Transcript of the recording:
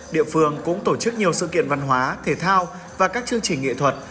địa phương cũng tổ chức nhiều sự kiện văn hóa thể thao và các chương trình nghệ thuật